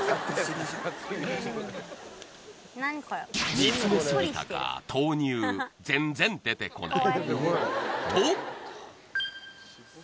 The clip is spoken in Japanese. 煮詰めすぎたか、豆乳、全然出てこない。